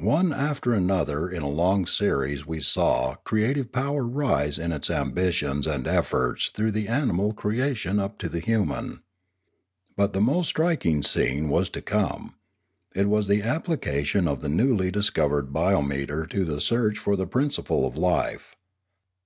One after an other in a long series we the saw creative power rise in its ambitions and efforts through the animal creation up to the human. But the most striking scene was to come. It was the application of the newly discovered biometer to the search for the principle of life.